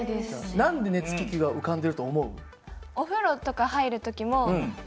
何で熱気球が浮かんでると思う？